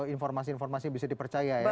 informasi informasi yang bisa dipercaya ya